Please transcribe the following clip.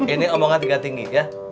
ini omongan tingkat tinggi ya